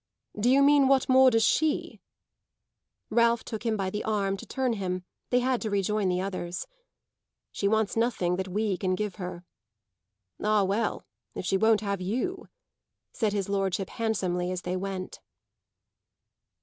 "Do you mean what more does she?" Ralph took him by the arm to turn him: they had to rejoin the others. "She wants nothing that we can give her." "Ah well, if she won't have You !" said his lordship handsomely as they went.